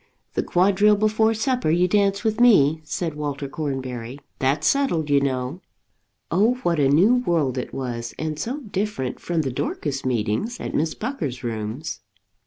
"The quadrille before supper you dance with me," said Walter Cornbury. "That's settled, you know." Oh, what a new world it was, and so different from the Dorcas meetings at Miss Pucker's rooms!